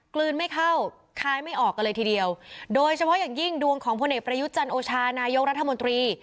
กลืนไม่เข้าคล้ายไม่ออกกันเลยทีเดียวโดยเฉพาะอย่างยิ่งดวงของพลเอกประยุทธ์จันโอชานายกรัฐมนตรี